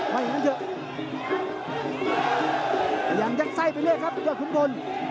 อย่างนั้นเถอะยังยักษ์ไส้ไปเรื่อยครับยอดทุ่มทน